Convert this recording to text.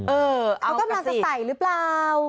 เออเอาต้องมาสะใสหรือเปล่า